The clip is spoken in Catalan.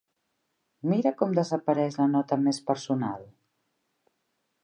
Mira com desapareix la nota més personal!